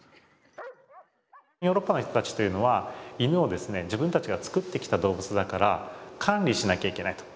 ヨーロッパの人たちというのは犬を自分たちが作ってきた動物だから管理しなきゃいけないと。